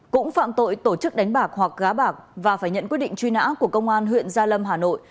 cũng phạm tội tổ chức đánh bạc hoặc gá bạc và phải nhận quyết định truy nã của công an huyện gia lâm hà nội